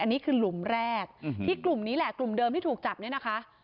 อันนี้คือหลุมแรกที่กลุ่มนี้แหละกลุ่มเดิมที่ถูกจับเนี่ยนะคะ